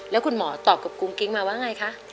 แล้วคุณหมอตอบกับกุ้งกิ๊งมาว่าไงคะ